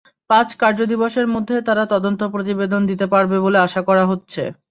পাঁচ কার্যদিবসের মধ্যে তারা তদন্ত প্রতিবেদন দিতে পারবে বলে আশা করা হচ্ছে।